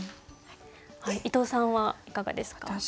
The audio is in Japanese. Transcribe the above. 伊藤さんはいかがですか？